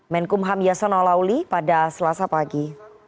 menkumham yasona lauli pada selasa pagi